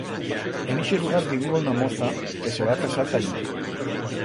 En ixe lugar viviba una moza que se va casar ta allí.